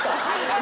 何？